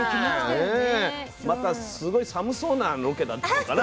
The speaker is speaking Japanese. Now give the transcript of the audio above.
またすごい寒そうなロケだったのかな？